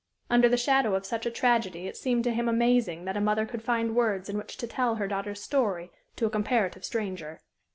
Under the shadow of such a tragedy it seemed to him amazing that a mother could find words in which to tell her daughter's story to a comparative stranger.